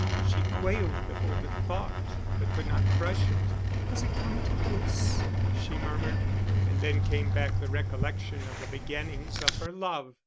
_ She quailed before the thought, but could not crush it. "Has it come to this!" she murmured. And then came back the recollection of the beginnings of her love.